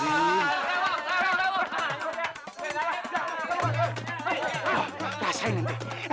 aduh pelasain ente